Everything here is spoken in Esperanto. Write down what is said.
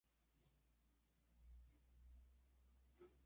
Li priskribis sian vivon kaj kaj la tiamajn eventojn.